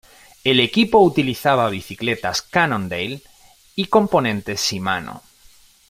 El equipo utilizaba bicicletas Cannondale y componentes Shimano.